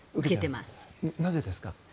なぜですか？